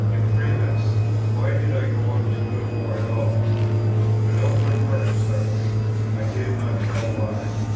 "Imprimis, why did I go up to Littlemore at all? For no good purpose certainly; I dared not tell why."